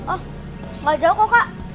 oh gak jauh kok kak